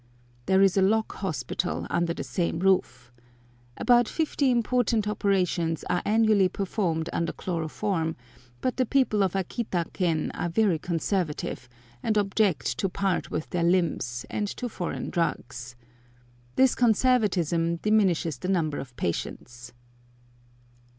There is a Lock Hospital under the same roof. About fifty important operations are annually performed under chloroform, but the people of Akita ken are very conservative, and object to part with their limbs and to foreign drugs. This conservatism diminishes the number of patients.